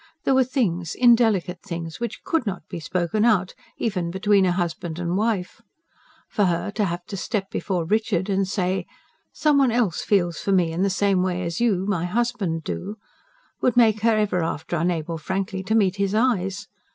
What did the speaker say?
There were things, indelicate things, which COULD not be spoken out, even between husband and wife. For her to have to step before Richard and say: some one else feels for me in the same way as you, my husband, do, would make her ever after unable frankly to meet his eyes.